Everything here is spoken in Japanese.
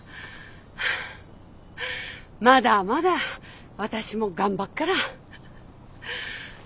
まだまだ私も頑張っから。